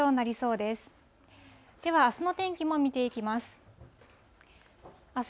では、あすの天気も見ていきます。